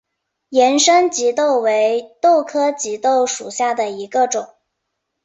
盐生棘豆为豆科棘豆属下的一个种。